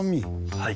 はい。